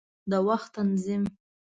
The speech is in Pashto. د وخت تنظیم